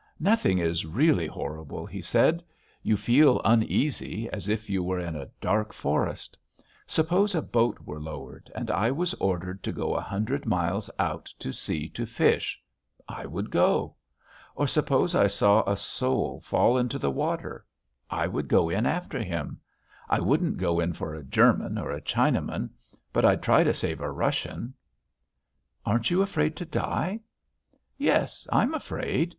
"Nothing is really horrible," he said. "You feel uneasy, as if you were in a dark forest. Suppose a boat were lowered and I was ordered to go a hundred miles out to sea to fish I would go. Or suppose I saw a soul fall into the water I would go in after him. I wouldn't go in for a German or a Chinaman, but I'd try to save a Russian." "Aren't you afraid to die?" "Yes. I'm afraid.